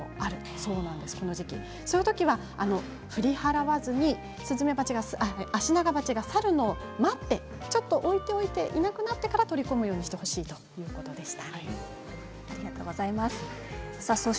そんなときは振り払わずにスズメバチがアシナガバチが去るのを待ってちょっと置いておいていなくなってから取り込むようにしてほしいということでした。